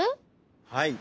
はい。